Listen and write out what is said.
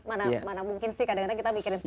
mana mungkin sih kadang kadang kita mikirin tempe